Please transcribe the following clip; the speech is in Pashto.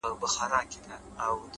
فريادي داده محبت کار په سلگيو نه سي!!